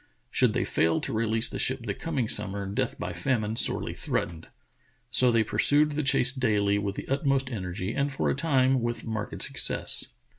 Should they fail to release the ship the coming summer, death by famine sorely threatened. So they pursued the chase daily with the utmost energy and for a time with marked success.